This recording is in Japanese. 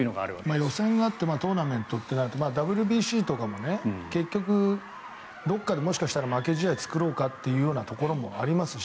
予選があってトーナメントとなるとＷＢＣとかも結局どこかでもしかしたら負け試合を作ろうかというところもありますし